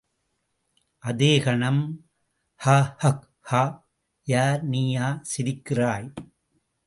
அதே கணம்– ஹ ஹ் ஹா! யார், நீயா சிரிக்கிறாய்?